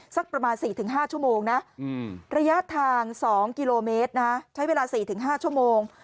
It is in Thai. สักประมาณ๔๕ชั่วโมงนะระยะทาง๒กิโลเมตรใช้เวลา๔๕ชั่วโมง